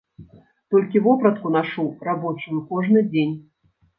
Толькі вопратку нашу рабочую кожны дзень.